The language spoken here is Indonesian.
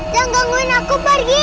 jangan gangguin aku pergi